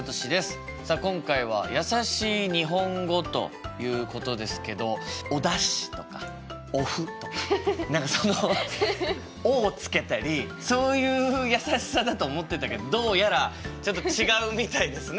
さあ今回はやさしい日本語ということですけどおだしとかお麩とか何かその「お」をつけたりそういうやさしさだと思ってたけどどうやらちょっと違うみたいですね。